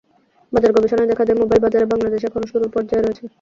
বাজার গবেষণায় দেখা যায়, মোবাইল বাজারে বাংলাদেশ এখনও শুরুর পর্যায়ে রয়েছে।